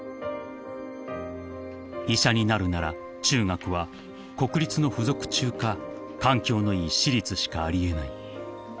［医者になるなら中学は国立の付属中か環境のいい私立しかあり得ない］